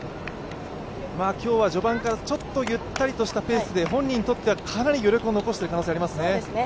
今日は序盤からちょっとゆったりとしたペースで本人にとってはかなり余力を残している可能性がありますね。